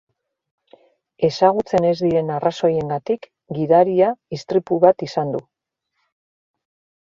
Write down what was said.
Ezagutzen ez diren arrazoiengatik, gidaria istripu bat izan du.